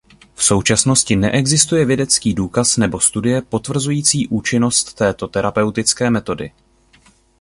V současnosti neexistuje vědecký důkaz nebo studie potvrzující účinnost této terapeutické metody.